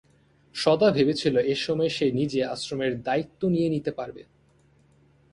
সদা ভেবেছিল এ সময়ে সে নিজে আশ্রমের দায়িত্ব নিয়ে নিতে পারবে।